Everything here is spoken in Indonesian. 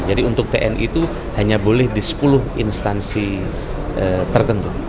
jadi untuk tni itu hanya boleh di sepuluh instansi tertentu